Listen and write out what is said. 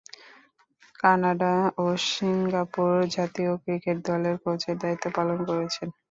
Canada ও Singapore জাতীয় cricket দলের কোচের দায়িত্ব পালন করেছেন।